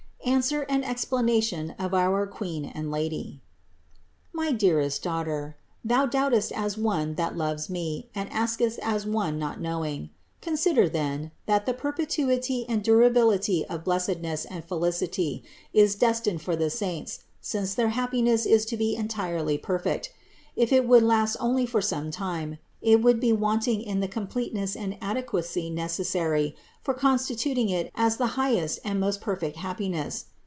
ANSWER AND EXPLANATION OF OUR QUEEN AND LADY. 175. My dearest daughter, thou doubtest as one that loves me and askest as one not knowing. Consider then, that the perpetuity and durability of blessedness and felicity is destined for the saints, since their happiness is to be entirely perfect; if it would last only for some time, it would be wanting in the completeness and ade quacy necessary for constituting it as the highest and most perfect happiness.